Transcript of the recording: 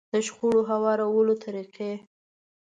د شخړو هوارولو طريقې.